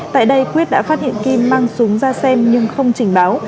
tại đây quyết đã phát hiện kim mang súng ra xem nhưng không trình báo